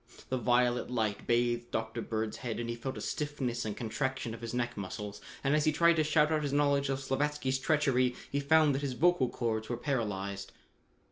The violet light bathed Dr. Bird's head and he felt a stiffness and contraction of his neck muscles, and as he tried to shout out his knowledge of Slavatsky's treachery, he found that his vocal chords were paralyzed.